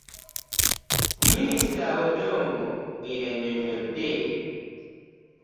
Minisita Odongo bwe yannyonnyodde.